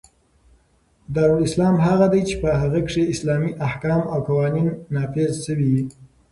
دارالاسلام هغه دئ، چي په هغي کښي اسلامي احکام او قوانینو نافظ سوي يي.